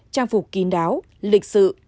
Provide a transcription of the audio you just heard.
trang phục kín đáo lịch sự